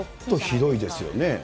ちょっとひどいですよね。